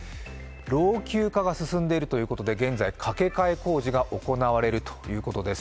老朽化が進んでいるということで現在架け替え工事が行われるということです。